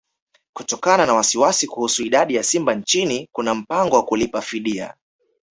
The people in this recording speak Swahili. Kutokana na wasiwasi kuhusu idadi ya simba nchini kuna mpango wa kulipa fidia